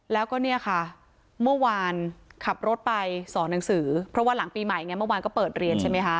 แล้วก็เนี่ยค่ะเมื่อวานขับรถไปสอนหนังสือเพราะว่าหลังปีใหม่ไงเมื่อวานก็เปิดเรียนใช่ไหมคะ